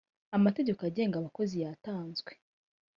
amategeko agenga abakozi yatanzwe